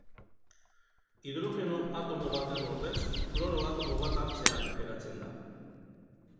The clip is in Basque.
Hidrogeno atomo baten ordez kloro atomo bat hartzean eratzen da.